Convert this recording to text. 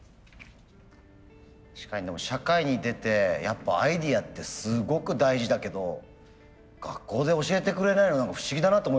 確かにでも社会に出てやっぱアイデアってすごく大事だけど学校で教えてくれないの何か不思議だなと思いました。